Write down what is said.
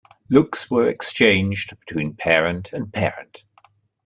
Looks were exchanged between parent and parent.